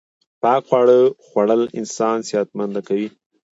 پاک خواړه خوړل انسان صحت منده کوی